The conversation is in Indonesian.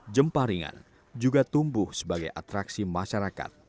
jemparingan juga tumbuh sebagai atraksi masyarakat